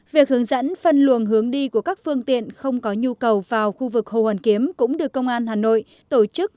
việc hướng dẫn phân luồng hướng đi của các phương tiện không có nhu cầu vào khu vực hồ hoàn kiếm cũng được công an hà nội tổ chức